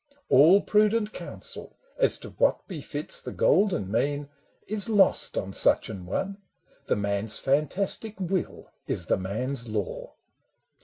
All prudent counsel as to what befits The golden mean, is lost on such an one : The man's fantastic will is the man's law.